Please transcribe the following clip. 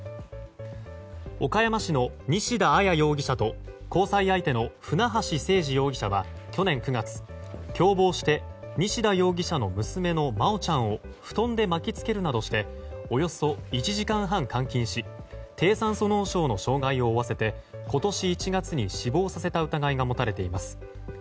岡山市の西田彩容疑者と交際相手の船橋誠二容疑者は去年９月、共謀して西田容疑者の娘の真愛ちゃんを布団で巻き付けるなどしておよそ１時間半監禁し低酸素脳症の傷害を負わせて今年１月に死亡させた疑いが持たれています。